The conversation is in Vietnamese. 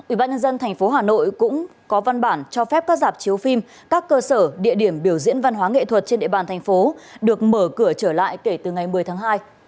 ubnd thành phố hà nội cũng có văn bản cho phép các giảp chiếu phim các cơ sở địa điểm biểu diễn văn hóa nghệ thuật trên địa bàn thành phố được mở cửa trở lại kể từ ngày một mươi tháng hai